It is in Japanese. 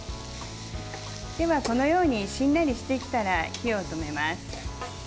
このように、しんなりしてきたら火を止めます。